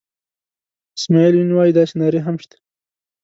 اسماعیل یون وایي داسې نارې هم شته.